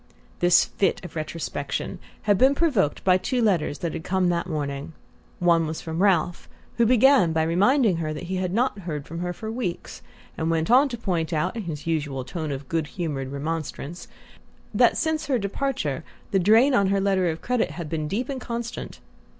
This fit of retrospection had been provoked by two letters which had come that morning. One was from Ralph, who began by reminding her that he had not heard from her for weeks, and went on to point out, in his usual tone of good humoured remonstrance, that since her departure the drain on her letter of credit had been deep and constant.